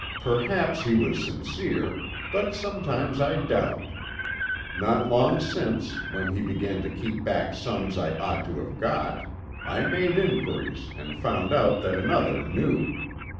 Perhaps he was sincere, but sometimes I doubt. Not long since, when he began to keep back sums I ought to have got, I made inquiries and found out that another knew.